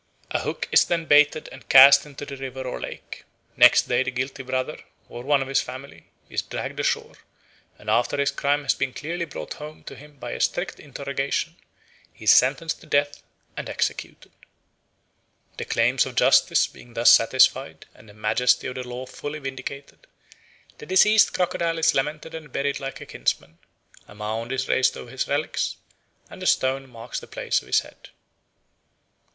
A hook is then baited and cast into the river or lake. Next day the guilty brother, or one of his family, is dragged ashore, and after his crime has been clearly brought home to him by a strict interrogation, he is sentenced to death and executed. The claims of justice being thus satisfied and the majesty of the law fully vindicated, the deceased crocodile is lamented and buried like a kinsman; a mound is raised over his relics and a stone marks the place of his head.